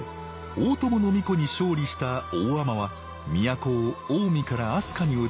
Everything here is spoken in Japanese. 大友皇子に勝利した大海人は都を近江から飛鳥にうつし即位。